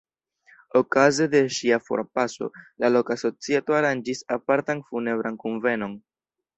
Okaze de ŝia forpaso, la loka societo aranĝis apartan funebran kunvenon.